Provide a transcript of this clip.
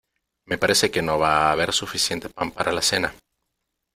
Me parece que no va a haber suficiente pan para la cena.